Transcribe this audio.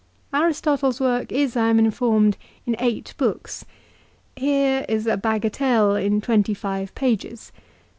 Aristotle's work is, I am informed, in eight books. Here is a bagatelle in twenty five pages.